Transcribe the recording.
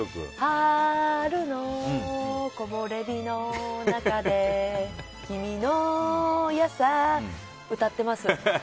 春の木漏れ日の中で君のって歌ってます。